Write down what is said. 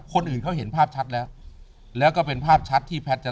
คนอื่นเขาเห็นภาพชัดแล้วแล้วก็เป็นภาพชัดที่แพทย์จะ